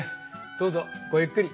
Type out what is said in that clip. どうぞごゆっくり。